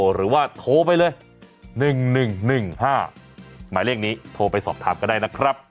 หรือว่าโทรไปเลย๑๑๑๕หมายเลขนี้โทรไปสอบถามก็ได้นะครับ